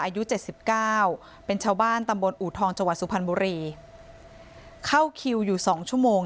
อายุเจ็ดสิบเก้าเป็นชาวบ้านตำบลอูทองจังหวัดสุพรรณบุรีเข้าคิวอยู่๒ชั่วโมง